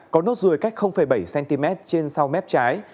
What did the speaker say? có nốt ruồi cách bảy cm trên sau mép trái